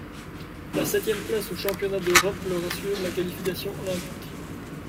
La septième place aux Championnats d'Europe leur assurent la qualification olympique.